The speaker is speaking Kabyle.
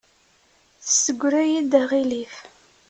Tessegra-yi-d aɣilif.